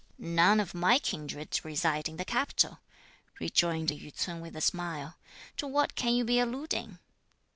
"None of my kindred reside in the capital," rejoined Yü ts'un with a smile. "To what can you be alluding?"